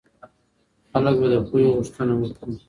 خلک به د پوهې غوښتنه وکړي.